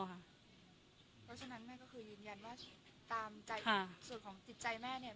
เพราะฉะนั้นแม่ก็คือยืนยันว่าตามใจส่วนของจิตใจแม่เนี่ย